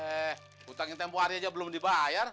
eh utang yang tempo hari aja belum dibayar